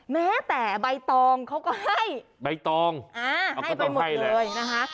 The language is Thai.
แม้แต่ใบตองเขาก็ให้ใบตองอ่าให้ไปหมดเลยนะคะ